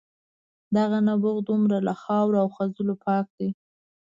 دغه نبوغ دومره له خاورو او خځلو پاک دی.